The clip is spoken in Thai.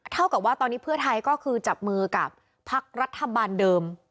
เท่ากับว่าตอนนี้เพื่อไทยก็คือจับมือกับพักรัฐบาลเดิม